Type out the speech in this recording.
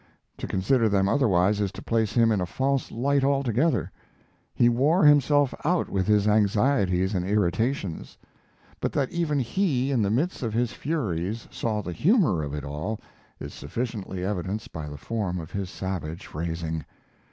To consider them otherwise is to place him in a false light altogether. He wore himself out with his anxieties and irritations; but that even he, in the midst of his furies, saw the humor of it all is sufficiently evidenced by the form of his savage phrasing.